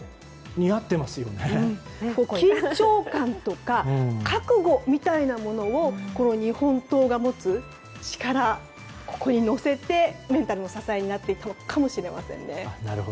緊張感とか覚悟みたいなものを日本刀が持つ力、ここに乗せてメンタルの支えになっているのかもしれませんね。